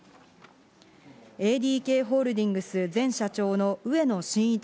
ＡＤＫホールディングス前社長の植野伸一